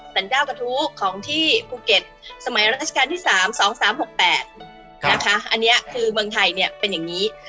สรรพ์กระทู้ของที่ภูเก็ตมั้ยราชิการที่๓๒๓๖๘อ่าอันนี้อ่าคือเมืองไทยเนี่ยเป็นอย่างนี้